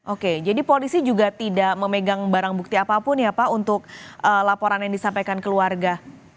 oke jadi polisi juga tidak memegang barang bukti apapun ya pak untuk laporan yang disampaikan keluarga